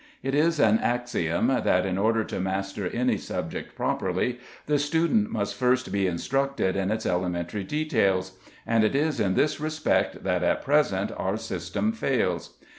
It is an axiom that in order to master any subject properly the student must first be instructed in its elementary details, and it is in this respect that at present our system fails.